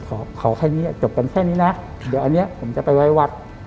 ขอขอแค่นี้จบกันแค่นี้นะเดี๋ยวอันนี้ผมจะไปไว้วัด